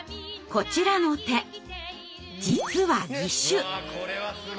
こちらの手実は義手！